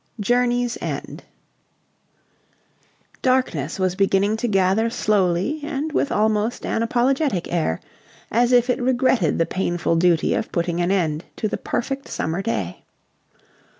JOURNEY'S END Darkness was beginning to gather slowly and with almost an apologetic air, as if it regretted the painful duty of putting an end to the perfect summer day.